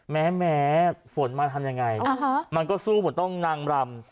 แม้ฝนมาทำยังไงมันก็สู้เหมือนต้องนางรำ